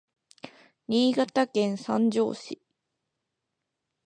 Niigataken sanjo si